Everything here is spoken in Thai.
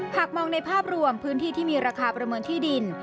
หากมองในภาพรวมพื้นที่ที่มีราคาประเมินที่ดิน